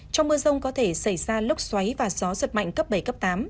trong mưa rông có thể xảy ra lốc xoáy và gió giật mạnh cấp bảy cấp tám